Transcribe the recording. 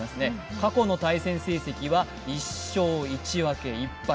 過去の対戦成績は１勝１分１敗。